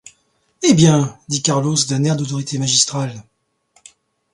Eh! bien, dit Carlos d’un air d’autorité magistrale.